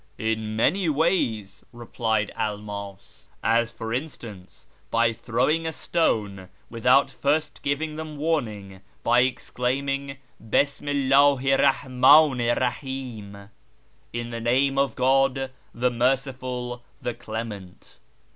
SHIRAZ 267 " In many ways," replied Elmas, " as, for instance, by throwing a stone witliout first giving them warning by exclaiming ' Bismi 'lldhi 'r Rahmdni 'r IlaJiim '(' in the name of God the Merciful, the Clement